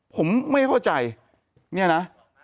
ผมไม่เข้าใจเนี่ยนะ